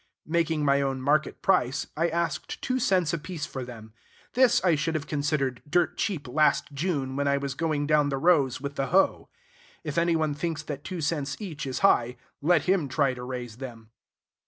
Making my own market price, I asked two cents apiece for them. This I should have considered dirt cheap last June, when I was going down the rows with the hoe. If any one thinks that two cents each is high, let him try to raise them.